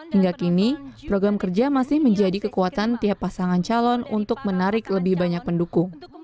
hingga kini program kerja masih menjadi kekuatan tiap pasangan calon untuk menarik lebih banyak pendukung